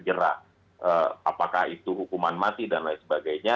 gerak apakah itu hukuman mati dan lain sebagainya